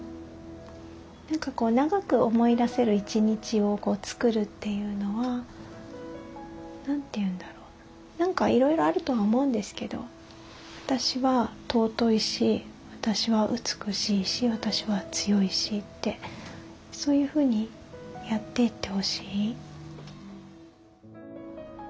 何かこう長く思い出せる一日を作るっていうのは何て言うんだろう何かいろいろあるとは思うんですけど私は尊いし私は美しいし私は強いしってそういうふうにやっていってほしい。